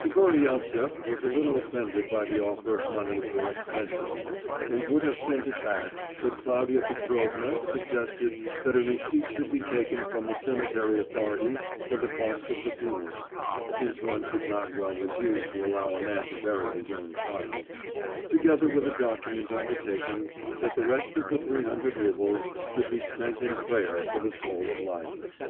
Pogoryeltseff was a little offended by the offer of money for expenses, and would have sent it back, but Claudia Petrovna suggested that a receipt should be taken from the cemetery authorities for the cost of the funeral (since one could not well refuse to allow a man to bury his own child), together with a document undertaking that the rest of the three hundred roubles should be spent in prayer for the soul of Liza.